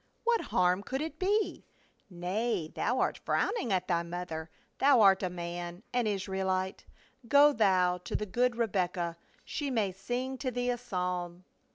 What harm could it be ? Nay, thou art frowning at thy mother ; thou art a man — an Israelite. Go thou to the good Rebecca ; she may sing to thee a psalm."